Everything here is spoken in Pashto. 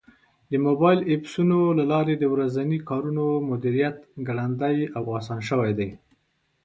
د موبایل ایپسونو له لارې د ورځني کارونو مدیریت ګړندی او اسان شوی دی.